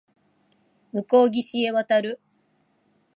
向こう岸へ渡る